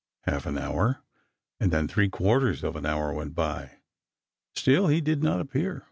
Half an hour and then three quarters of an hour went by—still he did not appear.